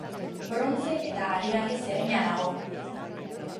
Brontze eta hareharriz egina dago.